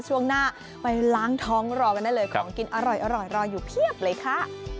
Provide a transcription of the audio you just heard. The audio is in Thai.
ช่วงหน้าไปล้างท้องรอกันได้เลยของกินอร่อยรออยู่เพียบเลยค่ะ